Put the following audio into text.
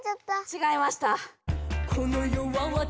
ちがいました。